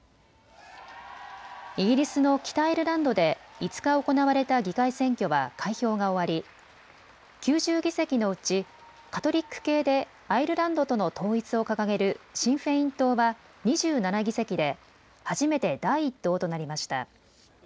イギリスの北アイルランドで５日、行われた議会選挙は開票が終わり９０議席のうちカトリック系でアイルランドとの統一を掲げるシン・フェイン党は２７議席で初めて第１党となりました。